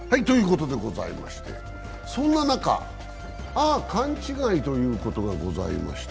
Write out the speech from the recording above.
そんな中、ああ勘違いということがございました。